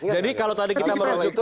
jadi kalau tadi kita melihat itu